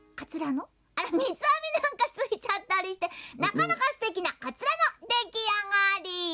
みつあみなんかついちゃったりしてなかなかすてきなかつらのできあがり！